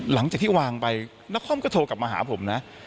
หลังจากที่วางไปนครก็โทรกลับมาหาผมนะ